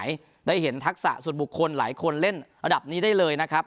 ได้เห็นทักษะส่วนบุคคลหลายคนเล่นระดับนี้ได้เลยนะครับ